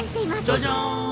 「じゃじゃん！」